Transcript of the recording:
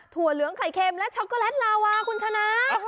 เหลืองไข่เค็มและช็อกโกแลตลาวาคุณชนะ